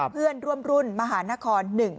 เพื่อนร่วมรุ่นมหานคร๑๑